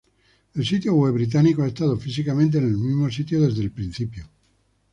El sitio web británico ha estado físicamente en el mismo sitio desde el principio.